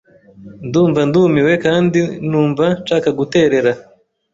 Ndumva ndumiwe kandi numva nshaka guterera.